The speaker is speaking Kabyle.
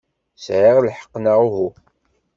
Sɛiɣ lḥeqq, neɣ uhu?